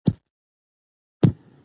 خانزاده سدوزۍ د میرویس نیکه مېرمن وه.